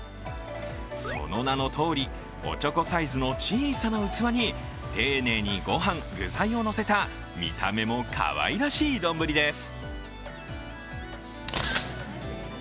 その名のとおり、おちょこサイズの小さな器に丁寧にご飯、器をのせた、見た目もかわいらしい丼です。